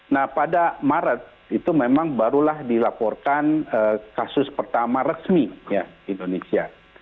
nah pada maret itu memang barulah dilaporkan kasus pertama resmi indonesia